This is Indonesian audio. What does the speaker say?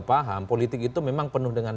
paham politik itu memang penuh dengan